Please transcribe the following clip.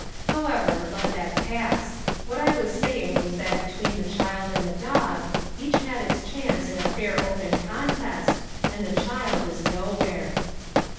However, let that pass, what I was saying was that between the child and the dog, each had its chance in a fair open contest and the child is nowhere.